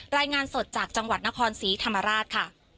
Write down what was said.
รายงานสดจากจังหวัดนครศรีธรรมราชค่ะ